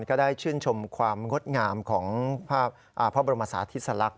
ก็ได้ชื่นชมความงดงามของพระบรมศาธิสลักษ